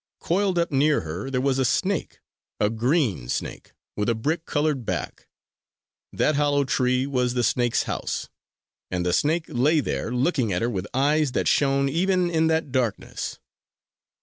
Coiled up near her there was a snake, a green snake with a brick colored back. That hollow tree was the snake's house; and the snake lay there looking at her with eyes that shone even in that darkness.